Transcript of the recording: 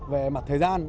về mặt thời gian